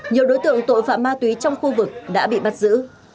nhiều đối tượng tội phạm ma túy trong khu vực đã bị bắt giữ